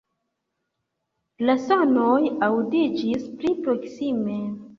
La sonoj aŭdiĝis pli proksime.